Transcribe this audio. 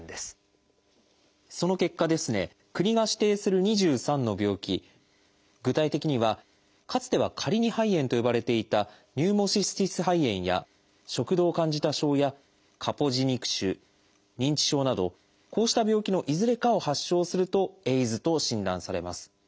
その結果国が指定する２３の病気具体的にはかつては「カリニ肺炎」と呼ばれていた「ニューモシスティス肺炎」や「食道カンジダ症」や「カポジ肉腫」「認知症」などこうした病気のいずれかを発症すると「ＡＩＤＳ」と診断されます。